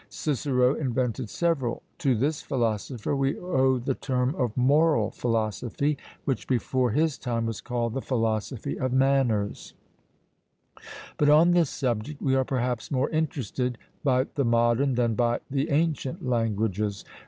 Cicero invented several; to this philosopher we owe the term of moral philosophy, which before his time was called the philosophy of manners. But on this subject we are perhaps more interested by the modern than by the ancient languages.